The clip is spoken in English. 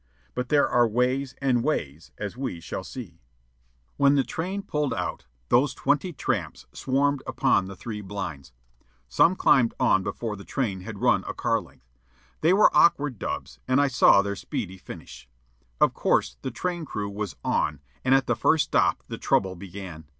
But there are ways and ways, as you shall see. When the train pulled out, those twenty tramps swarmed upon the three blinds. Some climbed on before the train had run a car length. They were awkward dubs, and I saw their speedy finish. Of course, the train crew was "on," and at the first stop the trouble began.